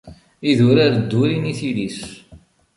Idurar ddurin i tili-s.